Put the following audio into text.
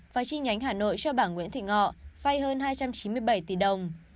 và tri nhánh hà nội cho bảng nguyễn thị ngọ vay hơn hai trăm chín mươi bảy tỷ đồng